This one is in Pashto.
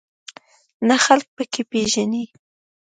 نه خلک په کې پېژنې.